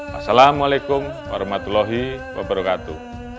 wassalamualaikum warahmatullahi wabarakatuh